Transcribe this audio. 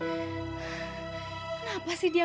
kenapa sih dia